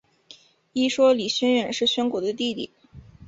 一说李宣远是宣古的弟弟。